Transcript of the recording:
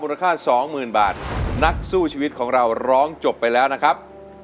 ค่าสองหมื่นบาทนักสู้ชีวิตของเราร้องจบไปแล้วนะครับ